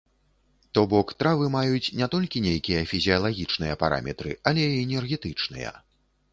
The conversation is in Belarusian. То бок, травы маюць не толькі нейкія фізіялагічныя параметры, але і энергетычныя.